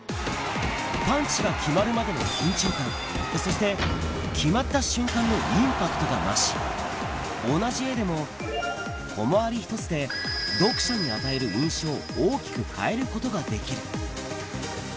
パンチが決まるまでの緊張感、そして、決まった瞬間のインパクトが増し、同じ絵でも、コマ割り１つで、読者に与える印象を大きく変えることができる。